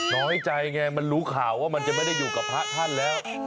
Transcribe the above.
น้อยใจไงมันรู้ข่าวว่ามันจะไม่ได้อยู่กับพระท่านแล้ว